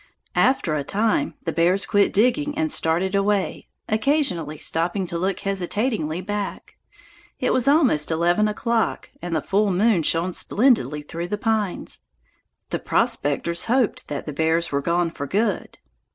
After a time the bears quit digging and started away, occasionally stopping to look hesitatingly back. It was almost eleven o'clock, and the full moon shone splendidly through the pines. The prospectors hoped that the bears were gone for good.